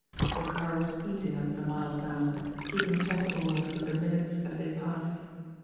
The car was eating up the miles now, keeping check almost with the minutes as they passed.